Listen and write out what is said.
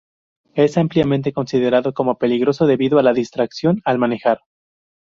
Es ampliamente considerado como peligroso debido a la distracción al manejar.